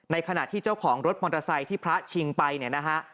ขณะที่เจ้าของรถมอเตอร์ไซค์ที่พระชิงไปเนี่ยนะฮะ